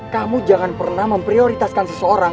kamu jangan pernah memprioritaskan seseorang